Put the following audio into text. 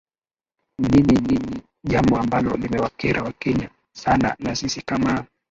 ni ni ni jambo ambalo limewakera wakenya sana na sisi kamaa